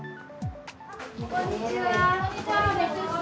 こんにちは。